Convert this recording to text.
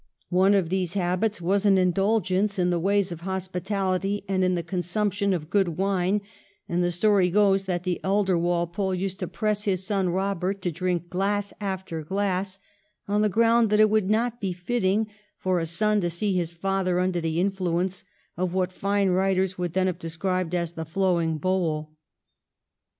One of these habits was an indulgence in the ways of hospi taUty and in the consumption of good wine, and the story goes that the elder Walpole used to press his son Eobert to drink glass after glass on the ground that it would not be fitting for a son to see his father under the influence of what fine writers would then have described as the flowing bowl.